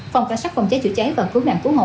phòng cảnh sát phòng cháy chữa cháy và cứu nạn cứu hộ